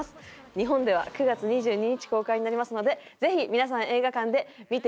日本では９月２２日公開になりますのでぜひ皆さん映画館で見ていただきたいんですよね。